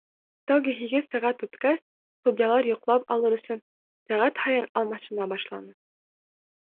Тәүге һигеҙ сәғәт үткәс, судьялар йоҡлап алыр өсөн сәғәт һайын алмашына башланы.